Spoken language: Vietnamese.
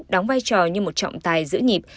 đóng vai trò như một trọng tài giữ nhịp